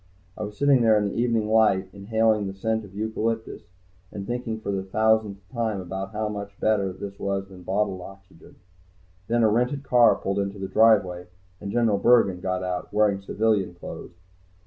I was sitting there in the evening light, inhaling the scent of eucalyptus and thinking for the thousandth time about how much better this was than bottled oxygen. Then a rented car pulled into the driveway, and General Bergen got out, wearing civilian clothes.